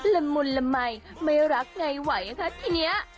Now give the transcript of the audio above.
ละมุนละมัยไม่รักไงไหวนะคะทีนี้